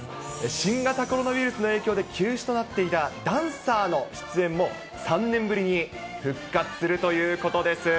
新型コロナウイルスの影響で休止となっていたダンサーの出演も、３年ぶりに復活するということです。